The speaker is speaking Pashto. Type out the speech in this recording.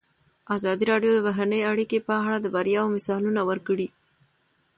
ازادي راډیو د بهرنۍ اړیکې په اړه د بریاوو مثالونه ورکړي.